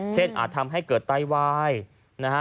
อาจทำให้เกิดไตวายนะฮะ